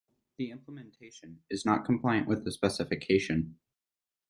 The implementation is not compliant with the specification.